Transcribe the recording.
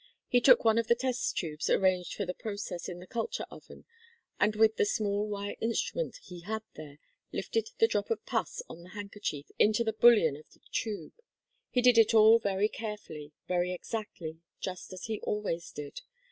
He took one of the test tubes arranged for the process in the culture oven and with the small wire instrument he had there, lifted the drop of pus on the handkerchief into the bullion of the tube. He did it all very carefully, very exactly, just as he always did.